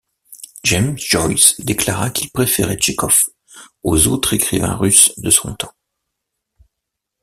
James Joyce déclara qu’il préférait Tchekhov aux autres écrivains russes de son temps.